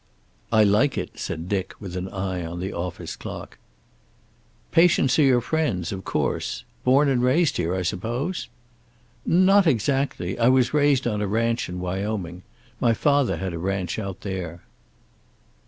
"I like it," said Dick, with an eye on the office clock. "Patients are your friends, of course. Born and raised here, I suppose?" "Not exactly. I was raised on a ranch in Wyoming. My father had a ranch out there."